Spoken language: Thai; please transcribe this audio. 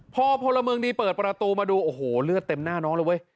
พอพลเมืองดีเปิดประตูมาดูโอ้โหเลือดเต็มหน้าน้องเลยเว้ย